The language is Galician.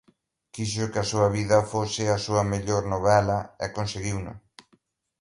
Quixo que a súa vida fose a súa mellor novela e conseguiuno.